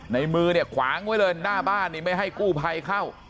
ในมือเนี่ยขวางไว้เลยหน้าบ้านนี่ไม่ให้กู้ภัยเข้า